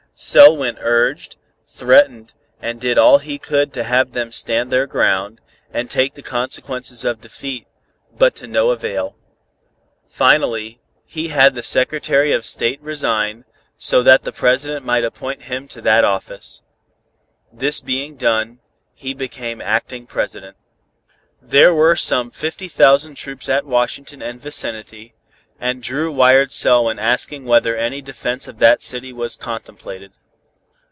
Selwyn urged, threatened, and did all he could to have them stand their ground, and take the consequences of defeat, but to no avail. Finally, he had the Secretary of State resign, so that the President might appoint him to that office. This being done, he became acting President. There were some fifty thousand troops at Washington and vicinity, and Dru wired Selwyn asking whether any defense of that city was contemplated.